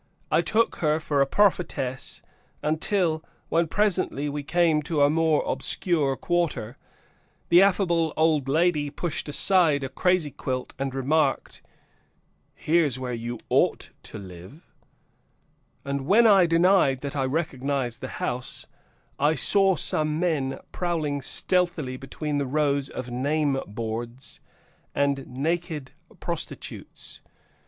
I took her for a prophetess until, when presently we came to a more obscure quarter, the affable old lady pushed aside a crazy quilt and remarked, "Here's where you ought to live," and when I denied that I recognized the house, I saw some men prowling stealthily between the rows of name boards and naked prostitutes.